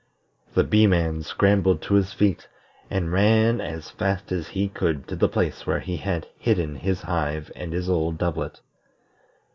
The Bee man scrambled to his feet, and ran as fast as he could to the place where he had hidden his hive and his old doublet.